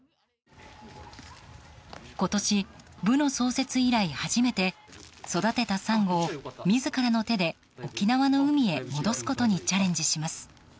今年、部の創設以来初めて育てたサンゴを自らの手で、沖縄の海へ戻すことにチャレンジします。